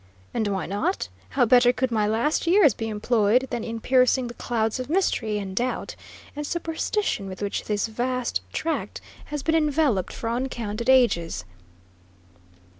"And why not? How better could my last years be employed than in piercing the clouds of mystery, and doubt, and superstition, with which this vast tract has been enveloped for uncounted ages?"